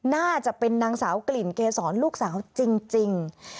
น่าจะเป็นนางสาวกลิ่นเกษรลูกสาวจริง